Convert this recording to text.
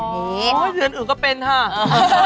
เดือนอื่นก็เป็นค่ะ